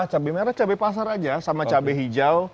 cabai merah cabai pasar aja sama cabai hijau